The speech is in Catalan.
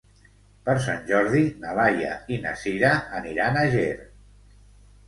Per Sant Jordi na Laia i na Sira aniran a Ger.